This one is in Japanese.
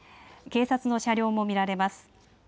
警察の車両も見られます。